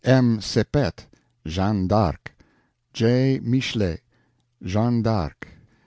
M. SEPET, Jeanne d'Arc. J. MICHELET, Jeanne d'Arc.